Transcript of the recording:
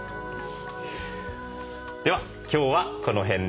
では今日はこの辺で。